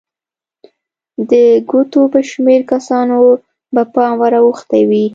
د ګوتو په شمېر کسانو به پام ور اوښتی وي.